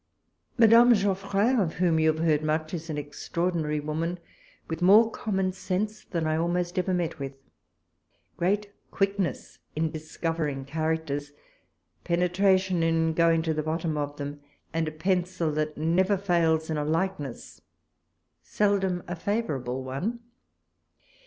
Madame Geofprin, of whom you have heard much, is an extraordinary woman, with more common sense than I almost ever met with. Great quickness in discovering characters, pene tration in going to the bottom of them, and a pencil that never fails in a likeness— seldom a favourable one.